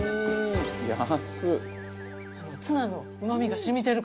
「安っ！」